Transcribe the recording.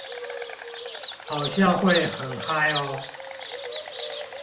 好像會很嗨喔